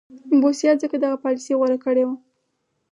بوسیا ځکه دغه پالیسي غوره کړې وه.